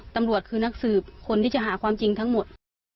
ตำรวจคือนักสืบคนที่จะหาความจริงทั้งหมด